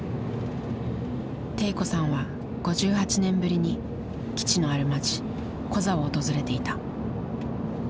悌子さんは５８年ぶりに基地のある町コザを訪れていた。